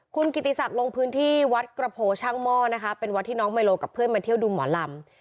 คุณกิติศักดิ์ลงพื้นที่วัดกระโพช่างหม้อนะคะเป็นวัดที่น้องไมโลกับเพื่อนมาเที่ยวดูหมอลำ